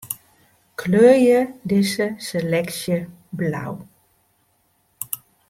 Kleurje dizze seleksje blau.